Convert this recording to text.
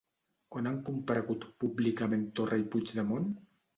On han comparegut públicament Torra i Puigdemont?